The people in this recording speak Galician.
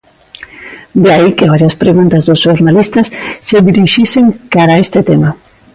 De aí que varias preguntas dos xornalistas se dirixisen cara a este tema.